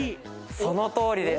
そのとおりです。